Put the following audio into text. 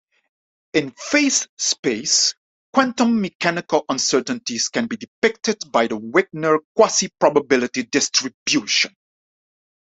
In phase space, quantum mechanical uncertainties can be depicted by the Wigner quasi-probability distribution.